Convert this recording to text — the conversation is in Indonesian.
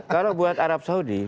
kalau buat arab saudi